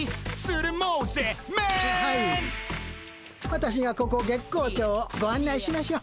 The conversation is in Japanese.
私がここ月光町をご案内しましょう。